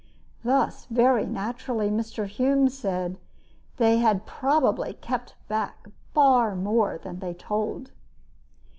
Thus, very naturally, Mr. Hume says: "They had probably kept back far more than they told."